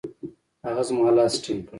هغه زما لاس ټینګ کړ.